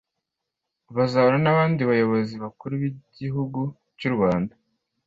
bazahura n’abandi bayobozi bakuru b’igihugu cy’ u Rwanda